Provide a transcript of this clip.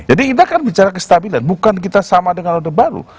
jadi kita kan bicara kestabilan bukan kita sama dengan orde baru